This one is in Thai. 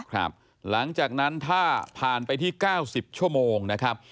หลังจากนั้นถ้าผ่านไปที่๙๐ชั่วโมงนะครับ